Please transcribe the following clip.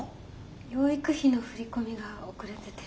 養育費の振り込みが遅れてて。